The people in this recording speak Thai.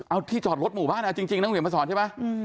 เอาที่จอดรถหมู่บ้านจริงน้องเหนียวมาสอนใช่ปะ